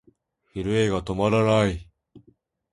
震えが止まらない。